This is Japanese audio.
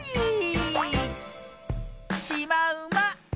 しまうま。